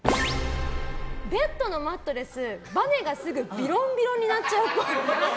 ベッドのマットレスバネがすぐビロンビロンになっちゃうっぽい。